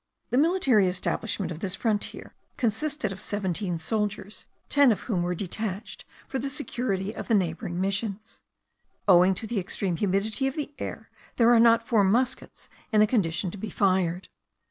The military establishment of this frontier consisted of seventeen soldiers, ten of whom were detached for the security of the neighbouring missions. Owing to the extreme humidity of the air there are not four muskets in a condition to be fired.